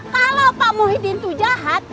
kalau pak muhyiddin itu jahat